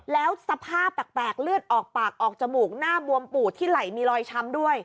แล้วสภาพแปลกเลือดออกปากออกจมูกหน้าบวมปูดที่ไหล่มีรอยช้ำด้วย